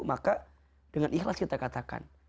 maka dengan ikhlas kita katakan